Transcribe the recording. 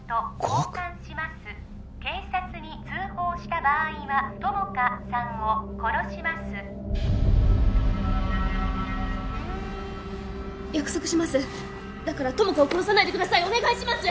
５億警察に通報した場合は友果さんを殺します約束しますだから友果を殺さないでくださいお願いします！